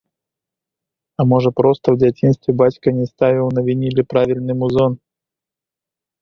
А можа проста ў дзяцінстве бацька не ставіў на вініле правільны музон!